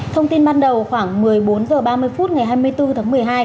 thông tin ban đầu khoảng một mươi bốn h ba mươi phút ngày hai mươi bốn tháng một mươi hai